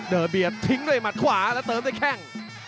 เบียดทิ้งด้วยหมัดขวาแล้วเติมด้วยแข้ง